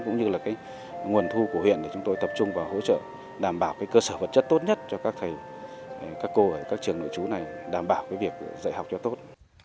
các nguồn thu của huyện để chúng tôi tập trung và hỗ trợ đảm bảo cơ sở vật chất tốt nhất cho các thầy các cô ở các trường nội trú này đảm bảo việc dạy học cho tốt